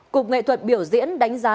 cục nghệ thuật biểu diễn đánh giá